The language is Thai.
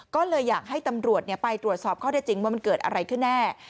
ก็เลยอยากให้ตำรวจไปตรวจสอบข้อได้จริงว่ามันเกิดอะไรขึ้นแน่